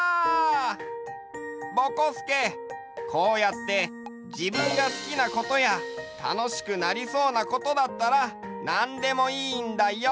ぼこすけこうやってじぶんがすきなことやたのしくなりそうなことだったらなんでもいいんだよ！